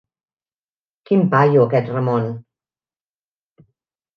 Quin paio, aquest Ramon.